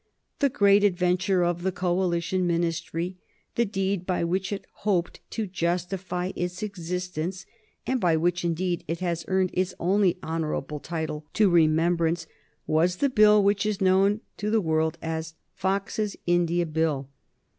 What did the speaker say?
The great adventure of the Coalition Ministry, the deed by which it hoped to justify its existence, and by which indeed it has earned its only honorable title to remembrance, was the bill which is known to the world as Fox's India Bill.